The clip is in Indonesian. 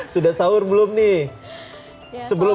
sudah sahur belum nih